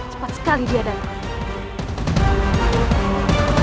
cepat sekali dia datang